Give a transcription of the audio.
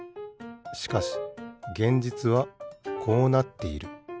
しかし現実はこうなっている。